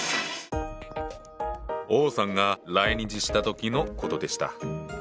王さんが来日した時の事でした。